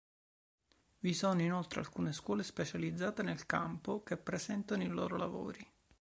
Vi sono inoltre alcune scuole specializzate nel campo che presentano i loro lavori.